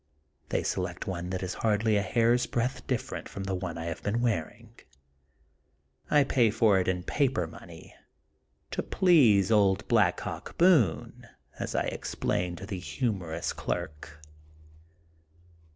They select one that is hardly a hair's breadth dif f erent from the one I have been wearing. I pay for it in paper money, to please old Black Hawk B6one," as I explain to the humorous clerk.